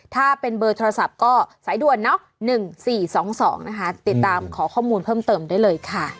ถ้าเป็นเบอร์โทรศัพท์ก็สายด่วน๑๔๒๒นะคะติดตามขอข้อมูลเพิ่มเติมได้เลยค่ะ